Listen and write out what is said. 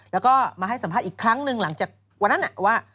แล้วก็มาให้สัมภาษณ์อีกครั้งหนึ่งหลังจากวันนั้นว่า